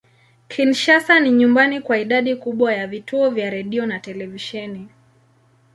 Kinshasa ni nyumbani kwa idadi kubwa ya vituo vya redio na televisheni.